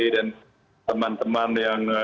dan teman teman yang